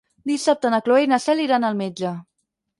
Dissabte na Cloè i na Cel iran al metge.